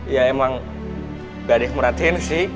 ya emang gak ada yang merhatiin sih